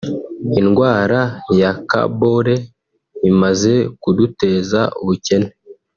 Indwara ya kabore imaze kuduteza ubukene